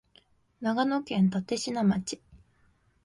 長野県立科町